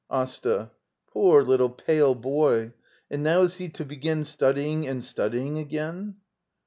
AsTA. Poor little pale boyl And now is he to begin studying and studying again?